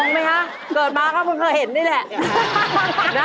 งงไหมฮะเกิดมาก็มึงเคยเห็นนี่แหละ